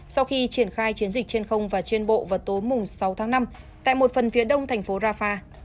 sau khi triển khai chiến dịch trên không và trên bộ vào tối sáu tháng năm tại một phần phía đông thành phố rafah